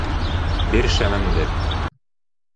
— Бир шәмеңде.